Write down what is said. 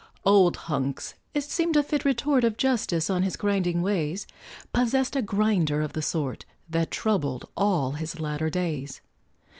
Old Hunks it seemed a fit retort Of justice on his grinding ways Possessed a grinder of the sort, That troubled all his latter days.